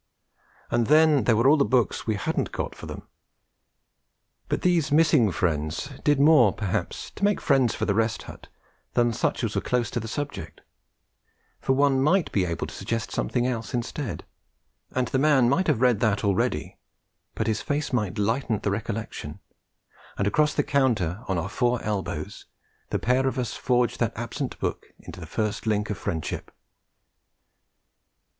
And then there were all the books we hadn't got for them! But these missing friends did more, perhaps, to make friends for the Rest Hut than such as were there to close the subject; for one might be able to suggest something else instead; and the man might have read that already, but his face might lighten at the recollection, and across the counter on our four elbows the pair of us forge that absent book into the first link of friendship.